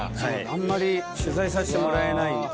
あんまり取材させてもらえない。